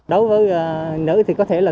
đối với nữ thì có thể là